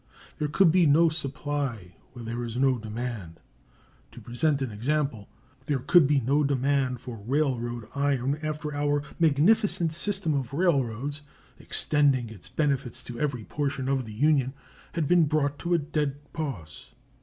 There could be no supply where there was no demand. To present an example, there could be no demand for railroad iron after our magnificent system of railroads, extending its benefits to every portion of the Union, had been brought to a dead pause.